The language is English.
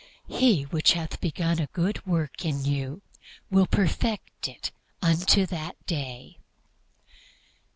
"He which hath begun a good work in you will perfect it unto that day."